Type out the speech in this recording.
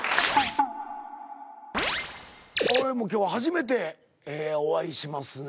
俺もう今日初めてお会いしますね。